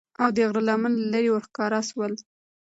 او د غره لمن له لیری ورښکاره سول